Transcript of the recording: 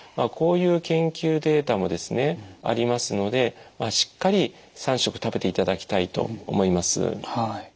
こういう研究データもですねありますのでしっかり３食食べていただきたいと思います。